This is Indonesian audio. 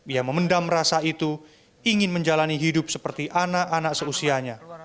ia memendam rasa itu ingin menjalani hidup seperti anak anak seusianya